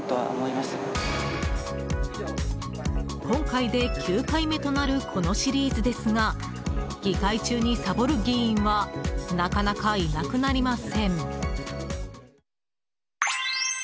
今回で、９回目となるこのシリーズですが議会中にサボる議員はなかなか、いなくなりません。